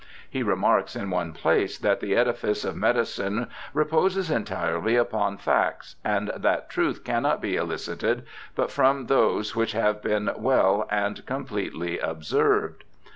He re marks in one place that the edifice of medicine reposes entirely upon facts, and that truth cannot be elicited but from those which have been well and completely observed.